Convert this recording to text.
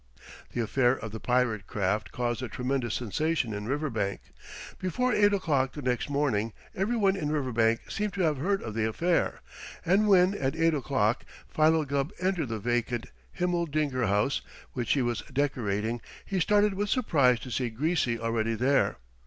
The affair of the pirate craft caused a tremendous sensation in Riverbank. Before eight o'clock the next morning every one in Riverbank seemed to have heard of the affair, and when, at eight o'clock, Philo Gubb entered the vacant Himmeldinger house, which he was decorating, he started with surprise to see Greasy already there.